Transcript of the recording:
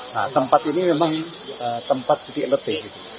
nah tempat ini memang tempat titik letih